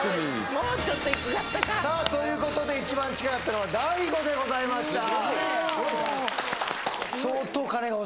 もうちょっとやったかということで一番近かったのは大悟でございました